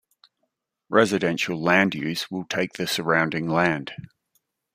Residential land use will take the surrounding land.